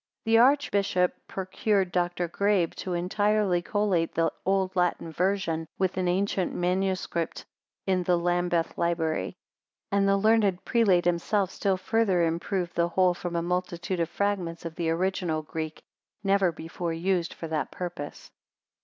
The archbishop procured Dr. Grabe to entirely collate the old Latin version with an ancient MS. in the Lambeth library; and the learned prelate himself still further improved the whole from a multitude of fragments of the original Greek never before used for that purpose.